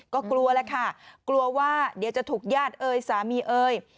ก็กลัวแล้วค่ะกลัวว่าเดี๋ยวจะถูกญาติเอ่ยสามีเอ่ย